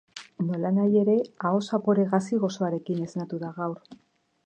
Nolanahi ere, aho zapore gazi-gozoarekin esnatu da gaur.